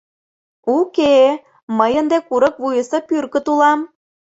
Уке-е, мый ынде курык вуйысо пӱркыт улам!..